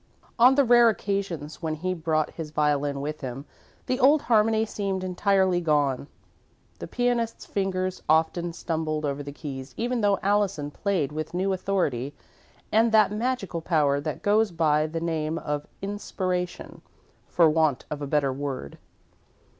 On the rare occasions when he brought his violin with him, the old harmony seemed entirely gone. The pianist's fingers often stumbled over the keys even though Allison played with new authority and that magical power that goes by the name of "inspiration," for want of a better word.